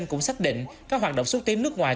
cũng xác định các hoạt động xuất tiến nước ngoài